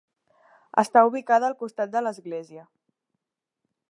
Està ubicada al costat de l'església.